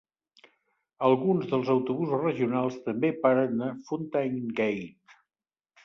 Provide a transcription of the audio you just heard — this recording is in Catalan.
Alguns dels autobusos regionals també paren a Fountain Gate.